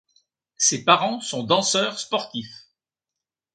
Ses parents sont danseurs sportifs.